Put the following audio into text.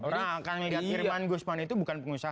orang akan melihat irman gus padi itu bukan pengusaha